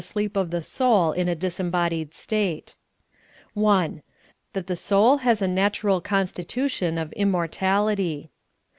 sleep of the soul in a disembodied state :/. That the soul has a natural constitution of ijumor tality.